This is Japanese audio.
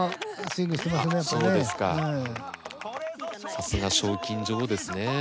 さすが賞金女王ですね。